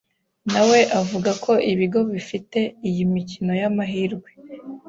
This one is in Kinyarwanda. nawe avuga ko ibigo bifite iyi mikino y’amahirwe